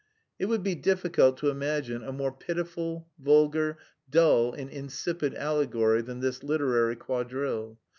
It would be difficult to imagine a more pitiful, vulgar, dull and insipid allegory than this "literary quadrille."